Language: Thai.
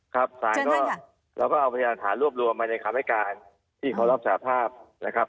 ครับสารก็เราก็เอาพยานฐานรวบรวมมาในคำให้การที่เขารับสาภาพนะครับ